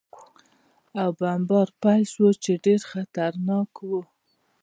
او بمبار پېل شو، چې ډېر خطرناک و.